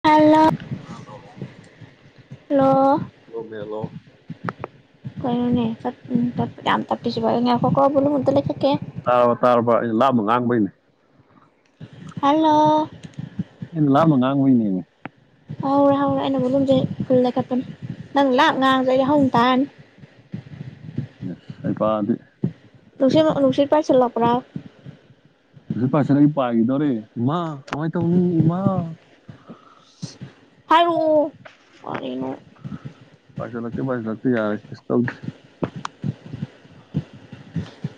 hello hello hello ꯅꯣꯔꯃꯦꯜꯂꯣ ꯀꯩꯅꯅꯣ ꯌꯥꯝ ꯇꯄꯤ ꯌꯥꯝ ꯇꯥꯞꯄꯤꯁꯤꯕꯣ ꯉꯥꯏꯈꯣꯀꯣ ꯕꯣꯜꯂꯨꯝ ꯑꯝꯇ ꯂꯩꯈꯠꯈꯤꯒꯦ ꯇꯥꯔꯕ ꯇꯥꯔꯕ ꯑꯩꯅ ꯂꯥꯞꯅ ꯉꯥꯡꯕꯩꯅꯦ ꯍꯜꯂꯣ ꯑꯩꯅ ꯂꯥꯞꯅ ꯉꯥꯡꯕꯩꯅꯦꯃꯤ ꯍꯧꯎꯔꯦ ꯍꯧꯎꯔꯦ ꯑꯩꯅ ꯕꯨꯂꯨꯝꯖꯦ ꯐꯨꯜ ꯂꯩꯈꯠꯄꯅꯤ ꯅꯪ ꯂꯥꯛ ꯉꯥꯡꯉꯥꯁꯨ ꯑꯩꯩꯅ ꯍꯧ ꯇꯥꯔꯅꯤ [inaudible] ꯍꯩꯄꯥꯗꯤ ꯅꯨꯡꯁꯤꯔ ꯅꯨꯡꯁꯤꯠ ꯄꯥꯏꯁꯜꯂꯄ꯭ꯔꯥ ꯅꯨꯡꯁꯤꯠ ꯄꯥꯏꯁꯜꯂꯦ ꯄꯥꯏꯈꯤꯗꯧꯔꯦ ꯏꯃꯥ ꯀꯃꯥꯏꯅ ꯇꯧꯅꯤ ꯏꯃꯥ ꯍꯥꯏꯔꯛꯑꯣ ꯀꯔꯤꯅꯣ ꯑꯗꯨꯃꯗꯤ ꯉꯥꯛꯄꯤ ꯌꯥꯔꯅꯤ ꯀꯩꯁꯨ ꯇꯧꯗꯦ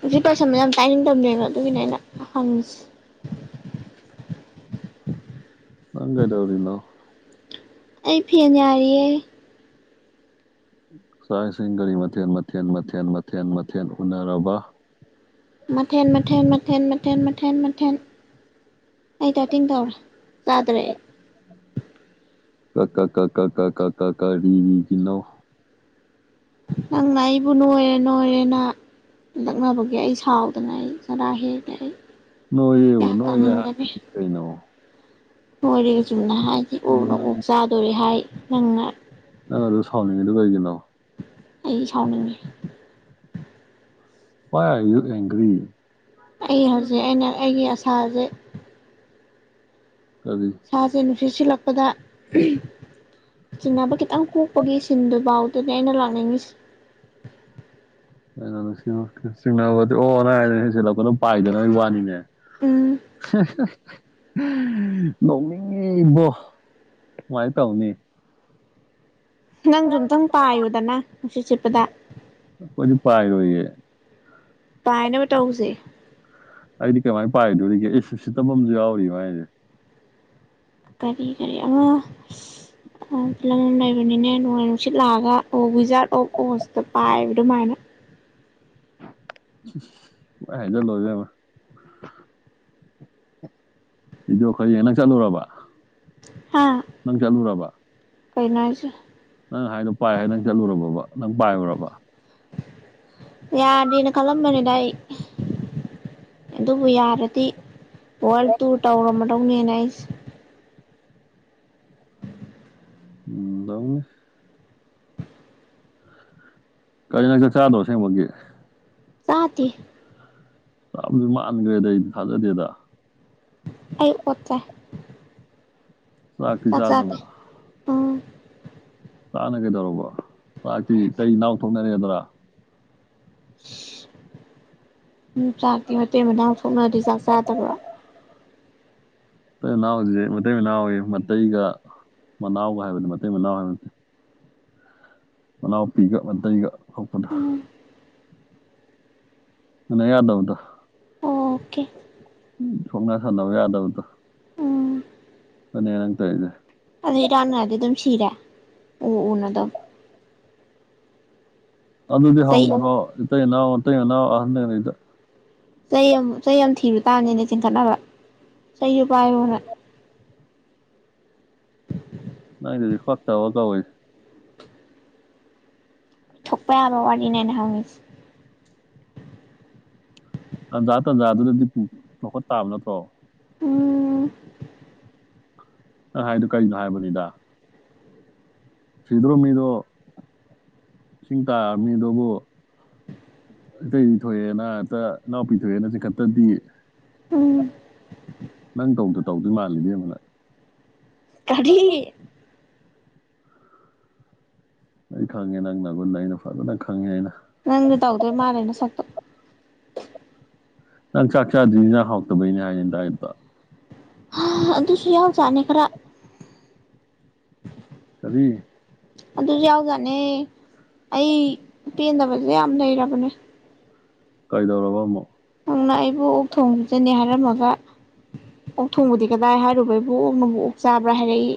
ꯅꯨꯡꯁꯤꯠ ꯄꯥꯁꯟꯕ ꯌꯥꯝ ꯇꯥꯅꯤꯡ ꯗꯕꯅꯦꯕ ꯑꯗꯨꯒꯤꯅꯦ ꯑꯩꯅ ꯍꯪꯉꯤꯁꯦ ꯅꯪ ꯀꯥꯏꯗꯧꯔꯤꯅꯣ ꯑꯩ ꯐꯦꯟ ꯌꯥꯔꯤꯌꯦ ꯁꯥꯏꯁꯤꯡꯒꯔꯤ ꯃꯊꯦꯜ ꯃꯥꯊꯦꯜ ꯃꯥꯊꯦꯜ ꯃꯥꯊꯦꯜ ꯃꯥꯊꯦꯜ ꯎꯅꯔꯕꯥ ꯃꯊꯦꯟ ꯃꯊꯦꯟ ꯃꯊꯦꯟ ꯃꯊꯦꯟ ꯃꯊꯦꯟ ꯃꯊꯦꯟ ꯆꯥꯗ꯭ꯔꯦ ꯑꯩ ꯀꯥ ꯀꯥ ꯀꯥ ꯀꯥ ꯀꯥ ꯀꯥ ꯀꯥ ꯀꯥ ꯀꯩꯔꯤꯅꯣ ꯅꯪꯅ ꯑꯩꯕꯨ ꯅꯣꯏꯔꯦ ꯅꯣꯏꯔꯦꯅ ꯂꯛꯅꯕꯒꯤ ꯑꯩ ꯁꯥꯎꯗꯅ ꯑꯩ ꯆꯔꯥ ꯍꯦꯛꯂꯦ ꯑꯩ ꯅꯣꯏꯌꯦꯕꯨ ꯀꯌꯥ ꯅꯣꯏꯌꯦ ꯍꯥꯏꯕꯅꯤ ꯀꯩꯅꯣ ꯅꯣꯏꯔꯦꯒ ꯆꯨꯝꯅ ꯍꯥꯏꯗꯤ ꯑꯗꯨ ꯑꯣꯛꯅ ꯅꯪ ꯑꯣꯛ ꯆꯥꯗꯣꯔꯦ ꯍꯥꯏ ꯅꯪꯅ ꯅꯪ ꯑꯗꯨ ꯁꯥꯎꯅꯤꯡꯉꯤ ꯑꯗꯨ ꯀꯩꯒꯤꯅꯣ ꯑꯩ ꯁꯥꯎꯅꯤꯡꯉꯤ ꯍꯋꯥꯏ ꯑꯥꯔ ꯌꯨ ꯑꯦꯡꯒꯔꯤ ꯑꯩ ꯍꯧꯖꯤꯛ ꯑꯩꯅ ꯑꯩꯒꯤ ꯑꯁꯥꯁꯦ ꯀꯔꯤ ꯁꯥꯁꯦ ꯅꯨꯡꯁꯤꯠ ꯁꯤꯜꯂꯛꯄꯗ ꯆꯤꯡꯅꯕ ꯈꯤꯇꯪ ꯄꯣꯛꯄꯒꯤ ꯁꯤꯟꯗꯨꯐꯥꯎꯗꯨꯅꯦ ꯑꯩꯅ ꯂꯥꯛꯅꯤꯡꯉꯁꯤ ꯑꯩꯅ ꯆꯤꯡꯅꯕꯗꯤ ꯑꯣ ꯅ ꯅꯁꯤꯜꯂꯛꯄ ꯑꯗꯨꯝ ꯄꯥꯏꯈꯤꯕꯒꯤ ꯋꯥꯅꯤꯅꯦ ꯎꯝ ꯍꯍ ꯅꯣꯛꯅꯤꯡꯉꯤꯕꯣ ꯀꯨꯃꯥꯏꯅ ꯇꯧꯅꯤ ꯅꯪꯁꯨ ꯑꯝꯇꯪ ꯄꯥꯏꯌꯨꯗꯅ ꯅꯨꯡꯁꯤꯠ ꯁꯤꯠꯄꯗ ꯑꯩꯈꯣꯏꯗꯤ ꯄꯥꯏ ꯔꯣꯏꯌꯦ ꯄꯥꯏꯅꯕ ꯇꯎꯁꯦ ꯑꯩꯗꯤ ꯀꯃꯥꯏꯅ ꯄꯥꯏꯗꯣꯔꯤꯒꯦ ꯑꯩ ꯎꯁꯤꯇꯁꯨ ꯌꯥꯎꯔꯤ ꯃꯥꯏꯁꯦ ꯀꯔꯤꯒꯤ ꯎꯪ ꯐꯤꯂꯝ ꯑꯃ ꯂꯩꯕꯅꯤꯅꯦ ꯅꯣꯡꯃꯩ ꯅꯨꯡꯁꯤꯠ ꯂꯥꯛꯑꯒ ꯑꯣ ꯋꯤꯖꯥꯔꯠ ꯑꯣꯐ ꯑꯣꯁꯇ ꯄꯥꯏꯕ ꯑꯗꯨꯃꯥꯏꯅ ꯄꯪꯍꯥꯏ ꯍꯥꯏꯖꯤꯜꯂꯣ ꯏꯕꯦꯝꯃ ꯚꯤꯗꯤꯑꯣ ꯈꯥꯔ ꯌꯦꯡ ꯅꯪ ꯆꯠꯂꯨꯔꯕ ꯅꯪ ꯆꯠꯂꯨꯔꯕ ꯀꯩꯩꯅꯁꯨ ꯅꯪ ꯍꯥꯏꯗꯣ ꯄꯥꯏ ꯍꯥꯏ ꯅꯪ ꯆꯠꯂꯨꯔꯕꯕ ꯅꯪ ꯄꯥꯏꯔꯨꯔꯕ ꯌꯥꯗꯦꯅ ꯀꯠꯂꯝꯕꯅꯤ ꯑꯗꯨꯕꯨ ꯌꯥꯔꯗꯤ ꯋꯥꯔꯜ ꯇꯨꯔ ꯇꯧꯔꯝꯃꯗꯧꯅꯦꯅ ꯑꯩꯁꯦ ꯇꯧꯅꯤ ꯀꯔꯤꯅ ꯆꯥꯛꯆꯥꯗ꯭ꯔꯣ ꯁꯦꯡꯕꯒꯤ ꯆꯥꯇꯦ ꯆꯗꯤ ꯃꯥꯟꯈ꯭ꯔꯦꯗ ꯑꯩꯗꯤ ꯊꯥꯖꯗꯦꯗ ꯑꯩ ꯑꯣꯑꯠ ꯆꯥꯏ ꯆꯥꯛꯇꯤ ꯆꯥꯛ ꯆꯥꯗꯦ ꯆꯥꯗꯕ ꯎꯝ ꯆꯥꯛꯅ ꯀꯩꯗꯧꯔꯕ ꯆꯥꯛꯇꯤ ꯏꯇꯩ ꯏꯅꯥꯎ ꯊꯣꯛꯅꯔꯦꯗꯨꯔꯥ ꯎꯝ ꯆꯥꯛꯇꯤ ꯃꯇꯩ ꯃꯅꯥꯎ ꯊꯣꯛꯅꯔꯗꯤ ꯆꯥꯛ ꯆꯥꯗꯕ꯭ꯔꯣ ꯃꯇꯩ ꯃꯅꯥꯎ ꯍꯧꯖꯤꯛ ꯃꯇꯩ ꯃꯅꯥꯎ ꯑꯌꯦ ꯃꯇꯩꯒ ꯃꯅꯥꯎꯒ ꯍꯥꯏꯕꯅꯤ ꯃꯇꯩ ꯃꯅꯥꯎ ꯍꯥꯏꯕ ꯅꯠꯇꯦ ꯃꯅꯥꯎꯄꯤꯒ ꯃꯇꯩꯒ ꯊꯣꯛꯄꯗꯣ ꯎꯝ ꯎꯅ ꯌꯥꯗꯕꯗꯣ ꯑꯣꯀꯦ ꯎ ꯁꯣꯛꯅ ꯁꯝꯅꯕ ꯌꯥꯗꯕꯗꯣ ꯎꯝ ꯑꯗꯨꯅꯦ ꯅꯪ ꯇꯧꯔꯤꯁꯦ ꯑꯗꯨꯗꯤ ꯏꯔꯥꯛꯅꯔꯗꯤ ꯑꯗꯨꯝ ꯁꯤꯔꯦ ꯎ ꯎꯅ ꯑꯗꯨꯝ ꯑꯗꯨꯗꯤ ꯆꯩ ꯍꯪꯉꯨꯔꯣ ꯃꯇꯩ ꯏꯅꯥꯎ ꯃꯇꯩ ꯃꯅꯥꯎ ꯑꯍꯟ ꯑꯅꯤꯗ ꯆꯩ ꯑꯃ ꯆꯩ ꯑꯃ ꯊꯤꯕ ꯇꯥꯕꯅꯤꯅꯦ ꯆꯤꯡꯈꯠꯅꯕ ꯆꯩꯁꯨ ꯄꯥꯏꯌꯣꯅ ꯅꯪꯒꯤꯗꯨꯗꯤ ꯐꯠꯇꯕ ꯀꯧꯑꯦ ꯊꯣꯛꯄ ꯌꯥꯕ ꯋꯥꯔꯤꯅꯦ ꯑꯩꯅ ꯍꯪꯉꯤꯁꯦ ꯇꯟꯖꯥ ꯇꯟꯖꯥꯗꯨꯅꯗꯤ ꯂꯧꯈꯠ ꯇꯥꯕ ꯅꯠꯇ꯭ꯔꯣ ꯎꯝ ꯅ ꯍꯥꯏꯗꯣ ꯀꯔꯤꯅꯣ ꯍꯥꯏꯕꯅꯤꯗ ꯁꯤꯗ꯭ꯔꯣ ꯃꯤꯗꯣ ꯏꯁꯤꯡ ꯇꯥꯔ ꯃꯤꯗꯨꯕꯨ ꯏꯇꯩꯗꯤ ꯊꯣꯛꯑꯦꯅ ꯍꯦꯛꯇ ꯏꯅꯥꯎꯄꯤ ꯊꯣꯛꯑꯦꯅ ꯆꯤꯡꯈꯠꯇꯗꯤ ꯎꯝ ꯅꯪ ꯇꯧꯗ ꯇꯧꯗꯣꯏ ꯃꯥꯜꯂꯦ ꯏꯕꯦꯝꯃ ꯅꯪ ꯀꯔꯤ ꯑꯩ ꯈꯪꯉꯦ ꯅꯪ ꯅꯒꯨꯟ ꯑꯩꯅ ꯐꯖ ꯈꯪꯉꯦ ꯑꯩꯅ ꯅꯪꯁꯨ ꯇꯧꯗꯣꯢ ꯃꯥꯜꯂꯦ ꯅꯁꯛꯇꯣ ꯅꯪ ꯆꯥꯛ ꯆꯥꯗ꯭ꯔꯤꯁꯤ ꯏꯟꯁꯥꯡ ꯍꯥꯎꯇꯕꯩꯅꯦ ꯍꯥꯏꯅꯦ [unintelligible] ꯍꯥ ꯑꯗꯨꯁꯨ ꯌꯥꯎꯖꯥꯅꯤ ꯈꯔ ꯀꯔꯤ ꯑꯗꯨꯁꯨ ꯌꯥꯎꯖꯠꯅꯦ ꯑꯩ ꯄꯦꯟꯗꯕꯁꯦ ꯌꯥꯝ ꯂꯩꯔꯕꯅꯦ ꯀꯩꯗꯧꯔꯕ ꯑꯃꯨꯛ ꯅꯪꯅ ꯑꯩꯕꯨ ꯑꯣꯛ ꯊꯣꯡꯕ ꯄꯤꯖꯅꯤ ꯍꯥꯏꯔꯝꯃꯒ ꯑꯣꯛ ꯊꯣꯡꯕꯗꯤ ꯀꯗꯥꯏ ꯍꯥꯏꯔꯨꯕꯩꯕꯨ ꯑꯣꯛꯅꯕꯨ ꯑꯣꯛ ꯆꯥꯕ꯭ꯔꯥ ꯍꯥꯏꯔꯛꯏ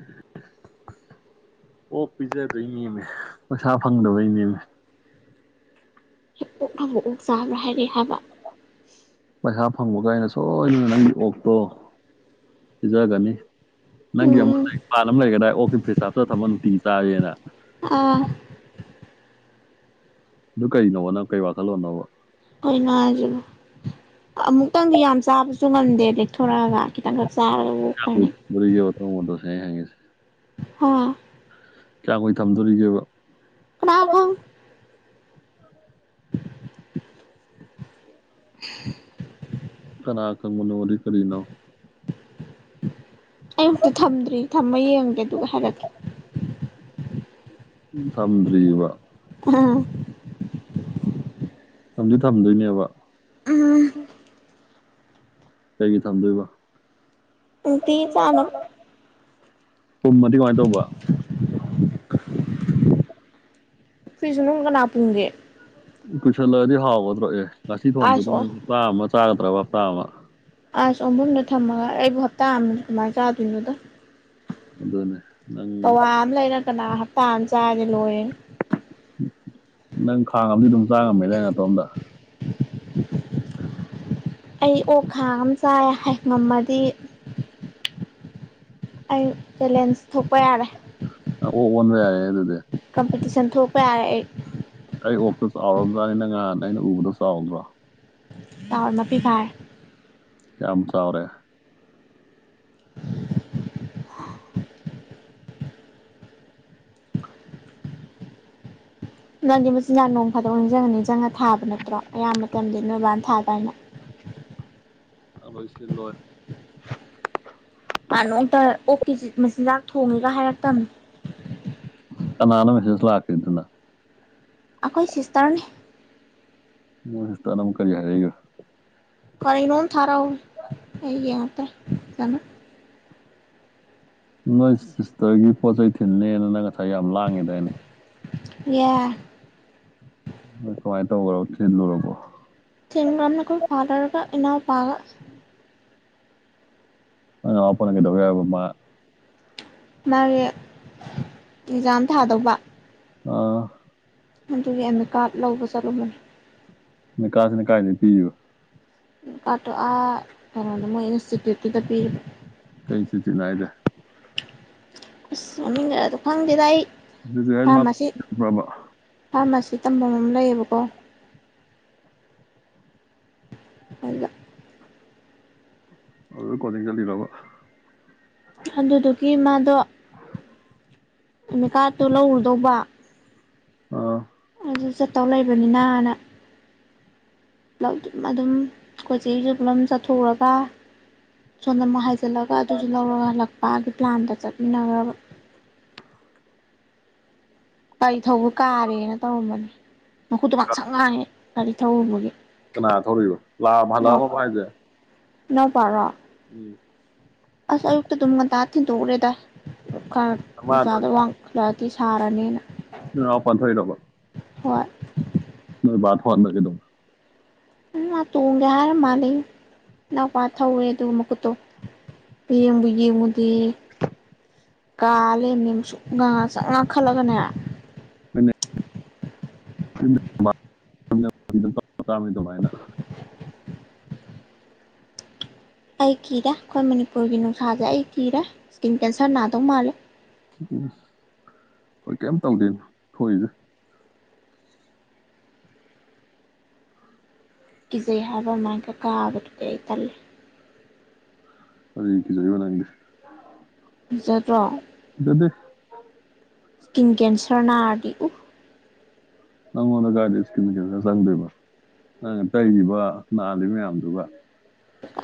[inaudible] ꯑꯣ ꯄꯤꯖꯗꯣꯏ ꯅꯦꯝꯃꯦ ꯄꯩꯁꯥ ꯐꯪꯗꯕꯩ ꯅꯦꯝꯃꯦ ꯑꯣꯛꯅꯕꯨ ꯑꯣꯛ ꯆꯥꯕ꯭ꯔꯥ ꯍꯥꯏꯔꯛꯑꯦ ꯍꯥꯏꯕ ꯄꯩꯁꯥ ꯐꯪꯕꯒ ꯑꯩꯅ ꯁꯣꯏꯗꯅ ꯅꯪꯒꯤ ꯑꯣꯛꯇꯣ ꯄꯤꯖꯒꯅꯤ ꯅꯪꯒꯤ [unintelligible] ꯎꯝ ꯑꯣꯛꯁꯤ ꯐ꯭ꯔꯤꯁꯇ ꯍꯥꯞꯆꯤꯜꯂ ꯊꯝꯃ ꯅꯨꯡꯇꯤꯒꯤ ꯆꯥꯔꯦꯅ ꯑꯥ ꯑꯗꯨ ꯀꯩꯅꯣꯕ ꯅꯪ ꯀꯩ ꯋꯥꯈꯜꯂꯣꯟꯅꯣꯕ ꯀꯩꯅꯣ ꯍꯥꯏꯁꯤꯕꯨ ꯃꯨꯛꯇꯪꯗꯤ ꯌꯥꯝ ꯆꯥꯕꯁꯨ ꯉꯝꯗꯦ ꯂꯦꯛꯊꯣꯔꯛꯑꯒ ꯈꯤꯇꯪꯈꯛ ꯆꯥꯔꯒ ꯑꯣꯛ ꯐꯅꯤ [unintelligible] ꯍꯥ ꯀꯌꯥ ꯀꯨꯏ ꯊꯝꯗꯣꯔꯤꯒꯦꯕ ꯀꯅꯥ ꯈꯪꯅꯤ [inaudible] [inaudible] ꯀꯅꯥꯈꯪꯕꯅꯣꯗꯤ ꯀꯔꯤꯅꯣ ꯑꯩ ꯃꯨꯛꯇ ꯊꯝꯗ꯭ꯔꯤ ꯊꯝꯃ ꯌꯦꯡꯒꯦ ꯑꯗꯨꯒ ꯍꯥꯏꯔꯛꯀꯦ ꯊꯝꯗ꯭ꯔꯤꯕ ꯎꯝ ꯊꯝꯗꯤ ꯊꯝꯗꯣꯏꯅꯦꯕ ꯀꯩꯒꯤ ꯊꯝꯗꯣꯏꯕ ꯅꯨꯡꯇꯤꯒꯤ ꯆꯥꯅꯕ ꯄꯨꯝꯃꯗꯤ ꯀꯃꯥꯏꯅ ꯇꯧꯕ ꯐ꯭ꯔꯤꯁ ꯃꯅꯨꯡꯅ ꯀꯅꯥꯄꯨꯝꯒꯦ ꯀꯨꯏꯁꯜꯂꯛꯑꯗꯤ ꯍꯥꯎꯒꯗ꯭ꯔꯣ ꯑꯦ ꯉꯁꯤ ꯑꯥꯏꯁ ꯊꯣꯡꯕꯗꯣ ꯑꯣ ꯅꯪ ꯍꯞꯇꯥ ꯑꯃ ꯆꯥꯒꯗ꯭ꯔꯕ ꯍꯞꯇꯥ ꯑꯃ ꯑꯥꯏ ꯑꯣꯟꯐꯝꯗ ꯊꯝꯃꯒ ꯑꯩꯕꯨ ꯍꯞꯇꯥ ꯑꯃ ꯀꯃꯥꯏꯅ ꯆꯥꯗꯣꯏꯅꯣꯗꯣ ꯑꯗꯨꯅꯦ ꯅꯪ ꯄꯋꯥ ꯑꯃ ꯂꯩꯔ ꯀꯅꯥ ꯍꯞꯇꯥ ꯑꯃ ꯆꯥꯔꯗꯤ ꯂꯣꯏꯔꯦ ꯅꯪ ꯈꯥꯡꯑꯝꯗꯤ ꯑꯗꯨꯝ ꯆꯥꯉꯝꯃꯦꯗꯥꯏ ꯅꯇꯣꯝꯗ ꯑꯩ ꯑꯣꯛ ꯈꯥꯡ ꯑꯃ ꯆꯥꯏ ꯉꯝꯃꯗꯤ ꯑꯩ ꯆꯦꯂꯦꯟꯖ ꯊꯣꯛꯄ ꯌꯥꯔꯦ ꯑꯣꯛ ꯑꯣꯟ ꯌꯥꯔꯦꯗꯨꯗꯤ ꯀꯝꯄꯤꯇꯤꯁꯟ ꯊꯣꯛꯄ ꯌꯥꯔꯦ ꯑꯩ ꯑꯩ ꯑꯣꯛꯇ ꯆꯥꯎꯔꯕꯖꯥꯅꯤ ꯅꯪ ꯉꯍꯥꯟ ꯑꯩꯅ ꯎꯕꯗꯣ ꯆꯥꯎꯗ꯭ꯔꯣ ꯆꯥꯎꯔꯦ ꯃꯄꯤꯈꯥꯏ ꯀꯥꯌꯝ ꯆꯥꯎꯔꯦ ꯅꯪꯗꯤ ꯃꯆꯤꯟꯖꯥꯛ ꯅꯣꯡ ꯐꯥꯗꯣꯛ ꯅꯤꯡꯁꯤꯡꯉ ꯅꯤꯡꯁꯤꯡꯉ ꯊꯥꯕ ꯅꯠꯇ꯭ꯔꯣ ꯑꯌꯥꯝꯕ ꯃꯇꯝꯗ ꯅꯣꯏꯕꯥꯅ ꯊꯥ ꯗꯥꯏꯅꯦ [inaudible] ꯅꯪ ꯂꯣꯏꯁꯤꯟꯂꯣꯍꯦ ꯃꯥꯅꯣꯡꯃꯇ ꯑꯣꯛ ꯆꯤꯟ ꯃꯆꯤꯟꯖꯥꯛ ꯊꯣꯡꯉꯦꯒ ꯍꯥꯏꯔꯛꯇꯕꯅꯤ ꯑꯅꯥꯅꯣ ꯃꯁꯦꯁ ꯂꯥꯀꯈꯤꯗꯨꯅ ꯑꯩꯈꯣꯏ ꯁꯤꯁꯇꯔꯅꯤ ꯅꯣꯏ ꯁꯤꯁ ꯇꯔꯅ ꯑꯃꯨꯛ ꯀꯔꯤ ꯍꯥꯏ ꯔꯛꯏꯕ ꯀꯩꯅꯣꯝ ꯊꯥꯔꯛꯍꯧꯕꯅꯦ ꯑꯩ ꯌꯦꯡꯉꯛꯇ꯭ꯔꯦ ꯐꯖꯅꯥ ꯅꯣꯏ ꯁꯤꯁꯇꯔꯒꯤ ꯄꯣꯠ ꯆꯩꯩ ꯊꯤꯜꯅꯤꯅ ꯅꯪ ꯉꯁꯥꯏ ꯌꯥꯝ ꯂꯥꯡꯉꯦꯗꯥꯏꯅꯦ ꯌꯥ ꯀꯃꯥꯏꯅ ꯇꯧꯕ꯭ꯔꯣ ꯊꯤꯜꯂꯨꯔꯕꯣ ꯊꯤꯟꯈ꯭ꯔꯕꯅꯦ ꯑꯩꯈꯣꯏ ꯐꯥꯗꯔꯒ ꯏꯩꯅꯎꯄꯥꯒ ꯅꯪ ꯅꯅꯥꯎꯄꯥꯅꯥ ꯀꯩꯗꯧꯋꯦ ꯍꯥꯏꯕ ꯃꯥ ꯃꯥꯒꯤ ꯑꯦꯛꯖꯥꯝ ꯊꯥꯗꯧꯕ ꯑꯥ ꯑꯗꯨꯒꯤ ꯑꯦꯝ ꯃꯤ ꯀꯥꯔꯠ ꯂꯧꯕ ꯆꯠꯂꯝꯨꯕꯅꯤ ꯑꯦꯃꯤꯀꯥꯁꯤꯅꯥ ꯀꯥꯏꯗꯩ ꯄꯤꯔꯤꯕ ꯀꯥꯔꯠꯇꯣ ꯑꯥ ꯀꯩꯅꯣꯗ ꯃꯣꯏ ꯏꯟꯁꯇꯤꯇ꯭ꯌꯨꯠꯇꯨꯗ ꯄꯤꯔꯤꯕ ꯀꯩ ꯏꯟꯁꯇꯤꯇꯨꯏꯠꯅꯣ ꯍꯥꯏꯁꯦ ꯑꯁ ꯃꯃꯤꯉ ꯑꯗꯣ ꯈꯪꯗꯦꯗ ꯑꯩ ꯆꯤꯆꯤꯠ ꯍꯥꯏꯁꯦ ꯃꯥ ꯐꯥꯔꯃꯥꯁꯤ ꯆꯠꯄ꯭ꯔꯕ ꯐꯥꯔꯃꯥꯁꯤ ꯁꯤ ꯇꯝꯐꯝ ꯑꯃ ꯂꯩꯌꯦꯕꯀꯣ ꯑꯗ ꯑꯗꯨ ꯀꯣꯆꯤꯡ ꯆꯠꯂꯤꯔꯕ ꯑꯗꯨꯗꯨꯒꯤ ꯃꯥꯗꯣ ꯑꯦꯃꯤꯀꯥꯔꯠꯇꯣ ꯂꯧꯔꯨꯗꯧꯕ ꯑꯥ ꯑꯗꯨ ꯆꯠꯇꯧ ꯂꯩꯕꯅꯤꯅꯅ ꯑꯗꯨꯝ ꯀꯈꯣꯏ ꯆꯦꯁꯨ ꯄꯨꯂꯞ ꯆꯠꯊꯣꯛꯎꯔꯒ ꯁꯣꯝꯅ ꯑꯃꯨꯛ ꯍꯥꯏꯖꯤꯜꯂꯒ ꯑꯗꯨꯁꯨ ꯂꯧꯔꯒ ꯍꯜꯂꯛꯄꯒꯤ ꯄ꯭ꯂꯥꯟꯗ ꯆꯠꯃꯤꯟꯅꯈ꯭ꯔꯕ [inaudible] ꯒꯥꯔꯤ ꯊꯧꯕ ꯀꯥꯔꯦꯅ ꯇꯧꯔꯝꯕꯅꯤ ꯃꯈꯨꯠꯇꯣ ꯉꯥꯛ ꯁꯛ ꯉꯥꯡꯉꯦ ꯒꯥꯔꯤ ꯊꯧꯔꯨꯕꯒꯤ ꯀꯅꯥꯒ ꯊꯧꯔꯤꯕ ꯂꯥꯛꯑ ꯍꯂꯛꯑꯝꯕꯣ ꯍꯥꯏꯖꯦ ꯏꯅꯥꯎꯄꯥꯒ ꯎꯝ ꯑꯁ ꯑꯌꯨꯛꯇ ꯑꯗꯨꯝ ꯉꯟꯇꯥ ꯊꯤꯟꯗꯣꯛꯎꯔꯦꯗ ꯈꯔ ꯃꯥꯅ ꯊꯧꯔꯤ ꯅꯨꯡꯁꯥꯗ ꯋꯥꯡ ꯂꯗꯤ ꯁꯔꯥꯅꯤꯅ ꯅꯣꯏ ꯅꯥꯅꯎꯄ ꯊꯧꯔꯤꯔꯣꯕ ꯍꯣꯏ ꯅꯣꯢ ꯕꯥ ꯊꯣꯛꯍꯟꯕ ꯀꯩꯗꯧꯕ ꯍꯝ ꯃꯥ ꯇꯣꯡꯒꯦ ꯍꯥꯏꯔ ꯃꯥꯂꯦ ꯏꯅꯥꯎꯄꯥ ꯊꯧꯔꯦ ꯑꯗꯨꯒ ꯃꯨꯈꯨꯠꯇꯣ ꯌꯦꯡꯕꯨ ꯌꯦꯡꯉꯨꯗꯦ ꯗꯦ ꯀꯥ ꯂꯩꯔꯝꯃꯤꯅꯦ ꯃꯨꯁꯨꯛ ꯉꯥꯥ ꯉꯛꯁꯪ ꯉꯥꯡꯈꯠꯂꯒꯅꯦ ꯅꯣꯏꯅꯦ [unintelligible] ꯑꯗꯨꯃꯥꯏꯅ ꯑꯩ ꯀꯤꯗ ꯑꯩꯈꯣꯏ ꯃꯅꯤꯄꯨꯔꯒꯤ ꯅꯨꯡꯁꯥꯁꯦ ꯑꯩ ꯀꯤꯗ ꯏꯁꯀꯤꯟ ꯀꯦꯟꯁꯔ ꯅꯥꯗꯧ ꯃꯥꯜꯂꯦ ꯏꯁ ꯈꯣꯏ ꯀꯩꯝ ꯇꯧꯗꯦ ꯊꯣꯛꯏꯁꯦ ꯀꯤꯖꯩ ꯍꯥꯏꯕ ꯑꯗꯨꯃꯥꯢꯀ ꯀꯥꯕꯗꯨꯗꯤ ꯑꯩ ꯇꯜꯂꯦ ꯀꯔꯤꯒꯤ ꯀꯤꯖꯩꯕ ꯅꯪꯗꯤ ꯀꯤꯖꯗ꯭ꯔꯣ ꯀꯤꯖꯗꯦ ꯏꯁꯀꯤꯟ ꯀꯦꯟꯁꯔ ꯅꯥꯔꯗꯤ ꯎ ꯅꯉꯣꯟꯗ ꯀꯥꯏꯗꯩ ꯏꯁꯀꯤꯟ ꯀꯦꯟꯁꯔ ꯆꯪꯗꯣꯢꯕ ꯅꯪꯅ ꯇꯩꯔꯤꯕ ꯅꯥꯜꯂꯤꯕ ꯃꯌꯥꯝꯗꯨꯒ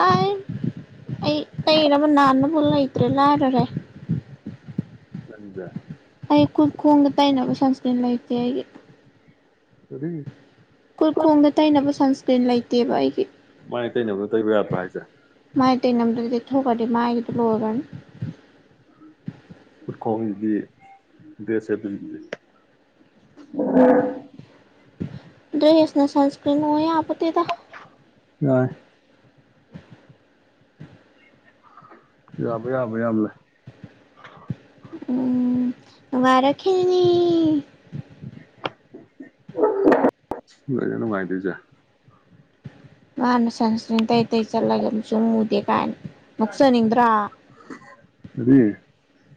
ꯑꯥꯢꯢ ꯑꯩ ꯇꯩꯅꯕ ꯅꯥꯟꯅꯕ ꯂꯩꯇ꯭ꯔꯦ ꯂꯥꯏꯔꯔꯦ ꯅꯪꯖꯦ ꯑꯩ ꯈꯨꯠ ꯈꯣꯡꯗ ꯇꯩꯅꯕ ꯁꯟꯁꯀ꯭ꯔꯤꯟ ꯂꯩꯇꯦ ꯑꯩꯒꯤ ꯀꯔꯤ ꯈꯨꯠ ꯈꯣꯡꯗ ꯇꯩꯅꯕ ꯁꯟꯁꯀ꯭ꯔꯤꯟ ꯂꯩꯇꯦꯕ ꯑꯩꯒꯤ ꯃꯥꯏ ꯇꯩꯅꯕꯅ ꯇꯩꯕ ꯌꯥꯗ꯭ꯔꯣ ꯍꯥꯏꯁꯦ ꯃꯥꯥꯏ ꯇꯩꯅꯕꯗꯨꯅ ꯇꯩꯊꯣꯛꯈ꯭ꯔꯗꯤ ꯃꯥꯢꯒꯤꯗꯨꯗꯤ ꯂꯣꯏꯒ꯭ꯔꯅꯤ ꯈꯣꯡꯗꯤ ꯗ꯭ꯔꯦꯁ ꯁꯦꯠꯇꯣꯢꯗꯨꯗꯤ ꯗ꯭ꯔꯦꯁꯅ ꯁꯟꯁꯀ꯭ꯔꯤꯟ ꯑꯣꯢ ꯌꯥꯄꯣꯠꯇꯦꯗ ꯌꯥꯢ ꯌꯥꯕ ꯌꯥꯕ ꯌꯥꯝ ꯂꯩ ꯎꯝ ꯅꯨꯡꯉꯥꯢꯔꯛꯈꯤꯅꯤ ꯀꯩꯅꯣ ꯅꯨꯡꯉꯥꯢꯗꯣꯢꯖꯦ ꯃꯥꯅ ꯁꯟꯁꯀ꯭ꯔꯤꯟ ꯇꯩ ꯇꯩ ꯆꯠꯂꯒ ꯃꯨꯁꯨꯛ ꯃꯨꯗꯦ ꯀꯥꯏꯅ ꯅꯣꯛꯆꯅꯤꯡꯗ꯭ꯔꯥ ꯑꯗꯤ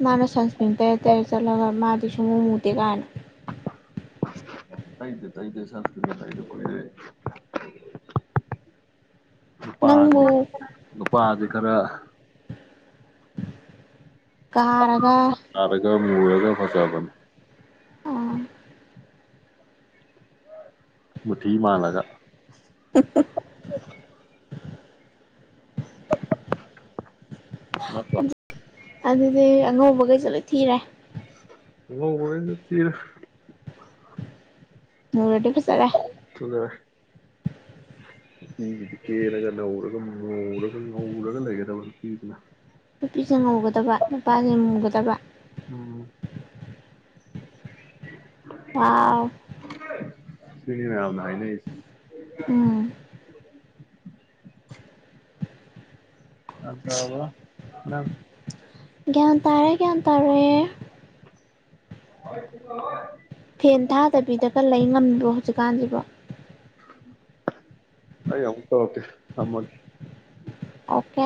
ꯃꯥꯅ ꯁꯟꯁꯀ꯭ꯔꯤꯟ ꯇꯩꯔ ꯇꯩꯔ ꯆꯠꯂꯒ ꯃꯥꯗꯤ ꯁꯨꯛꯃꯨ ꯃꯨꯗꯦ ꯀꯥꯏꯅ ꯇꯩꯗꯦ ꯇꯩꯗꯦ ꯁꯟꯁꯀ꯭ꯔꯤꯟ ꯇꯩꯗ ꯀꯨꯢꯔꯦ [inaudible] ꯅꯨꯄꯥꯁꯤꯗꯤ ꯅꯪꯕꯨ ꯅꯨꯄꯥꯗꯤ ꯈꯔ ꯀꯥꯔꯒ [unintelligible] ꯃꯨꯔꯒ ꯐꯖꯕꯅꯦ ꯑꯣꯥ ꯃꯨꯊꯤ ꯃꯥꯜꯂꯒ ꯍꯍ [unintelligible] ꯑꯗꯨꯗꯤ ꯑꯉꯧꯕꯈꯩꯁꯨ ꯂꯣꯏ ꯊꯤꯔꯦ ꯑꯉꯧꯕꯈꯩꯁꯨ ꯊꯤꯔꯦ ꯃꯨꯔꯗꯤ ꯐꯖꯔꯦ [inaudible] ꯅꯨꯄꯤꯗꯨꯗꯤ ꯀꯦꯔꯒ ꯅꯧꯔꯒ ꯃꯨꯔꯒ ꯉꯧꯔꯒ ꯂꯩꯒꯗꯕ ꯅꯨꯄꯤꯁꯤꯅ ꯅꯨꯄꯤꯁꯦ ꯉꯧꯒꯗꯕ ꯅꯨꯄꯥꯁꯦ ꯃꯨꯒꯗꯕ ꯎꯝ [inaudible] ꯋꯥꯎ ꯁꯤꯅꯤ ꯃꯌꯥꯝꯅ ꯍꯥꯢꯅꯩꯁꯤ ꯎꯝ [inaudible] ꯑꯗꯕ ꯅꯪ ꯒ꯭ꯌꯥꯟ ꯇꯥꯔꯦ ꯒ꯭ꯌꯥꯟ ꯇꯥꯔꯦ [unintelligible] ꯐꯦꯟ ꯊꯥꯗꯕꯤꯗꯒ ꯂꯩ ꯉꯝꯃꯤꯕ꯭ꯔꯣ ꯍꯧꯖꯤꯛꯀꯥꯟꯁꯤꯕꯣ ꯑꯩ ꯑꯃꯨꯛ ꯇꯧꯔꯛꯀꯦ ꯊꯝꯃ ꯑꯣꯀꯦ